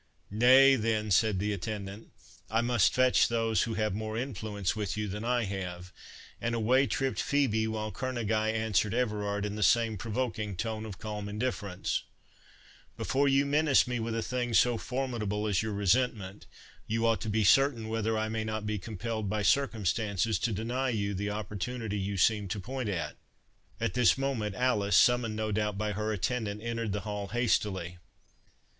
"Nay, then," said the attendant, "I must fetch those who have more influence with you than I have," and away tripped Phœbe; while Kerneguy answered Everard in the same provoking tone of calm indifference,— "Before you menace me with a thing so formidable as your resentment, you ought to be certain whether I may not be compelled by circumstances to deny you the opportunity you seem to point at." At this moment Alice, summoned no doubt by her attendant, entered the hall hastily.